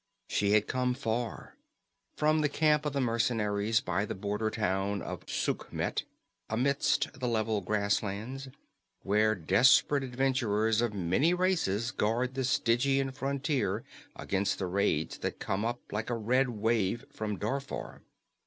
She had come far from the camp of the mercenaries by the border town of Sukhmet amidst the level grasslands, where desperate adventurers of many races guard the Stygian frontier against the raids that come up like a red wave from Darfar.